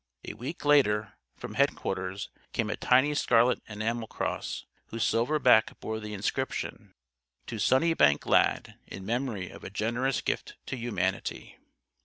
A week later, from Headquarters, came a tiny scarlet enamel cross, whose silver back bore the inscription: "_To SUNNYBANK LAD; in memory of a generous gift to Humanity.